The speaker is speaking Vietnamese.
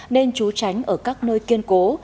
nên chú tránh ở các nơi kiên cố